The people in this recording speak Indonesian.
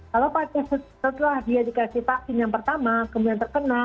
kalau setelah dia dikasih vaksin yang pertama kemudian terkena